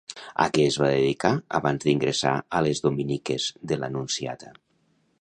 A què es va dedicar abans d'ingressar a les Dominiques de l'Anunciata?